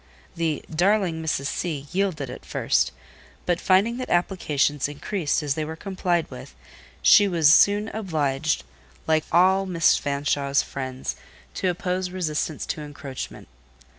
The "darling Mrs. C." yielded at first; but finding that applications increased as they were complied with, she was soon obliged, like all Miss Fanshawe's friends, to oppose resistance to encroachment.